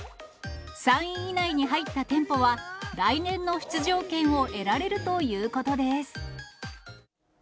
３位以内に入った店舗は、来年の出場権を得られるということです。